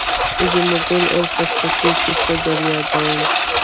د جمعه ګل او پستکي کیسه در یادوم.